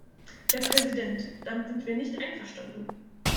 Herr Präsident, damit sind wir nicht einverstanden.